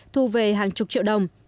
thu về hàng chục triệu đồng